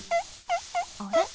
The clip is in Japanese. あれ？